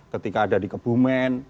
ketika ada di kebumen